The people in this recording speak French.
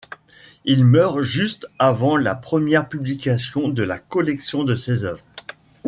Il meurt juste avant la première publication de la collection de ses œuvres.